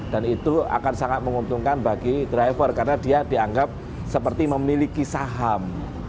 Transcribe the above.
dan itu akan sangat menguntungkan bagi driver karena dia dianggap seperti memiliki saham